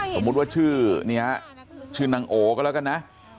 สมมุติว่าชื่อเนี่ยชื่อนางโอก็แล้วกันนะ